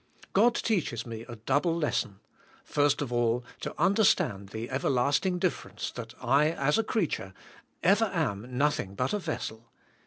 God teaches me a double lesson. First of all, to understand the everlasting difference, that I as a creature, ever am nothing but a vessel.